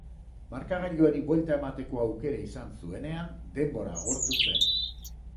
Markagailuari buelta emateko aukera izan zuenean, denbora agortu zen.